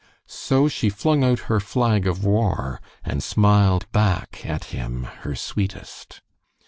So she flung out her flag of war, and smiled back at him her sweetest.